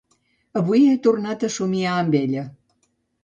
Avui he tornat a somniar amb ella